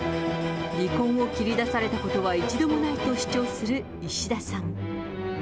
離婚を切り出されたことは一度もないと主張する石田さん。